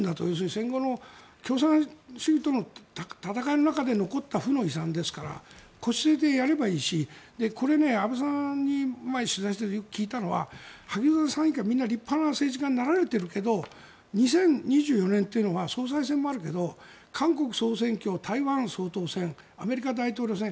戦後の共産主義との闘いの中で残った負の遺産ですから腰を据えてやればいいですからこれ、安倍さんに前に取材して聞いたのは萩生田さん以下、みんな立派な政治家になられているけど２０２４年は総裁選もあるけど韓国総選挙、台湾総統選アメリカ大統領選